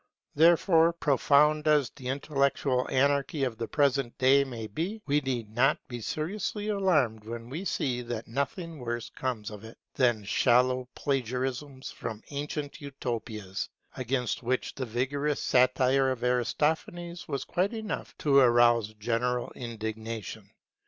Therefore, profound as the intellectual anarchy of the present day may be, we need not be seriously alarmed when we see that nothing worse comes of it than shallow plagiarisms from ancient utopias, against which the vigorous satire of Aristophanes was quite enough to rouse general indignation.